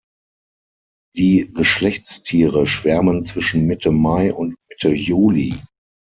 Die Geschlechtstiere schwärmen zwischen Mitte Mai und Mitte Juli.